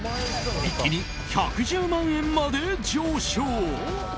一気に１１０万円まで上昇。